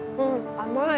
甘い。